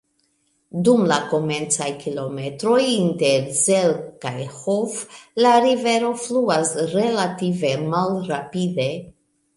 Dum la komencaj kilometroj inter Zell kaj Hof la rivero fluas relative malrapide.